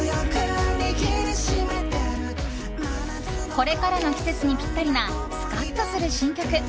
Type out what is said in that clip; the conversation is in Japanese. これからの季節にピッタリなスカッとする新曲。